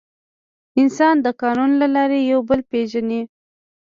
انسان د قانون له لارې یو بل پېژني.